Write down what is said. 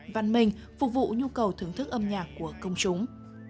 văn minh phục vụ nhu cầu thưởng thức âm nhạc của công chúng